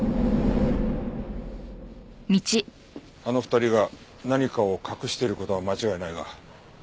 あの２人が何かを隠している事は間違いないが。